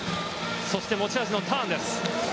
そして持ち味のターンです。